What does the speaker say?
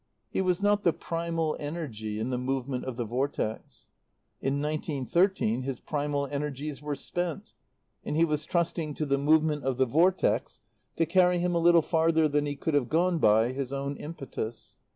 He was not the primal energy in the movement of the Vortex. In nineteen thirteen his primal energies were spent, and he was trusting to the movement of the Vortex to carry him a little farther than he could have gone by his own impetus.